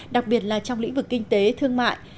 đặc biệt là trong lĩnh vực kinh tế thương mại